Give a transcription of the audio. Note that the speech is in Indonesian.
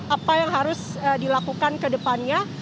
apa yang harus dilakukan ke depannya